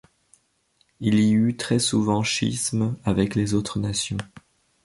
Il y eut aussi très souvent schisme avec les autres nations.